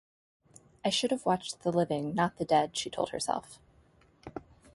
“I should have watched the living, not the dead,” she told herself.